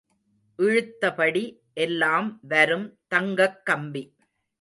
இழுத்தபடி எல்லாம் வரும் தங்கக் கம்பி.